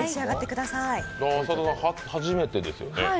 浅田さん、初めてですよね。